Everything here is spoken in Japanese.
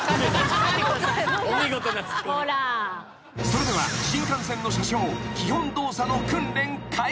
［それでは新幹線の車掌基本動作の訓練開始］